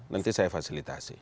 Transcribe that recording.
nanti saya fasilitasi